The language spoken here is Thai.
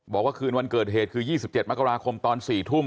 บอกว่าคืนวันเกิดเหตุคือ๒๗มกราคมตอน๔ทุ่ม